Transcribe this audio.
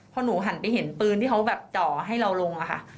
พอหนูหันไปเห็นปืนที่เขาแบบจ่อให้เราลงอะค่ะ